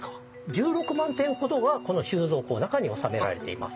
１６万点ほどはこの収蔵庫の中に収められています。